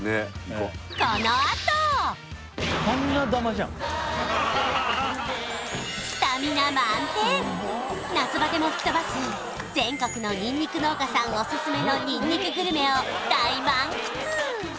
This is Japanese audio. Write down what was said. こうスタミナ満点夏バテも吹き飛ばす全国のにんにく農家さんオススメのにんにくグルメを大満喫